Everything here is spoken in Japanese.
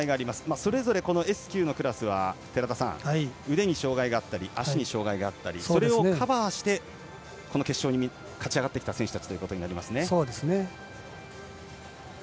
それぞれにＳ９のクラスは腕に障がいがあったり足に障がいがあったりそれをカバーしてこの決勝に勝ち上がってきた選手たちということになりますね。